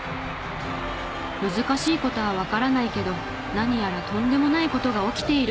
難しい事はわからないけど何やらとんでもない事が起きている！